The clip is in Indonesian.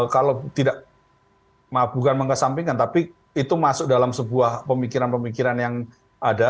kalau tidak bukan mengesampingkan tapi itu masuk dalam sebuah pemikiran pemikiran yang ada